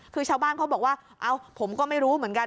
คือชาวบ้านเขาบอกว่าเอ้าผมก็ไม่รู้เหมือนกัน